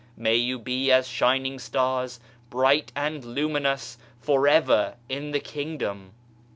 May you be as shining stars, bright and luminous for ever in the Kingdom.